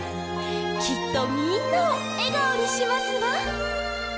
きっとみんなをえがおにしますわ。